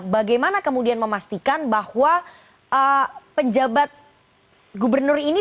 bagaimana kemudian memastikan bahwa penjabat gubernur ini